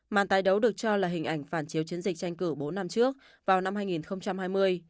màn tái đấu được cho là hình ảnh phản chiếu chiến dịch tranh cử bốn năm trước vào năm hai nghìn hai mươi